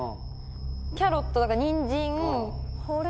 キャロットだからニンジン。